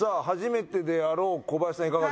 初めてであろう小林さん